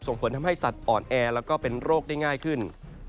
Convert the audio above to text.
ผลทำให้สัตว์อ่อนแอแล้วก็เป็นโรคได้ง่ายขึ้น